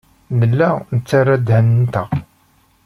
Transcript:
Nella nettarra ddehn-nteɣ.